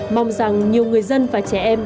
mong rằng nhiều người dân và trẻ em